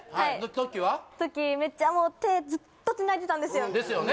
時めっちゃもう手ずっとつないでたんですよですよね